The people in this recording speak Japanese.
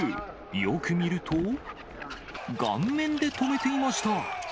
よく見ると、顔面で止めていました。